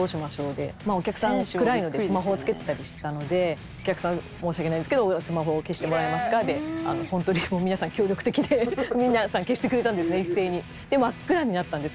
でお客さん暗いのでスマホをつけてたりしてたので「お客さん申し訳ないですけどスマホを消してもらえますか？」で本当に皆さん協力的で皆さん消してくれたんですね一斉に。